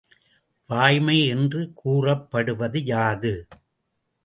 வாய்மை என்று கூறப்படுவது யாது?